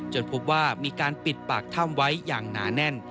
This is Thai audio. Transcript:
พบว่ามีการปิดปากถ้ำไว้อย่างหนาแน่น